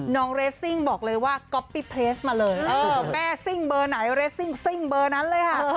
เรสซิ่งบอกเลยว่าก๊อปปี้เพลสมาเลยแม่ซิ่งเบอร์ไหนเรสซิ่งซิ่งเบอร์นั้นเลยค่ะ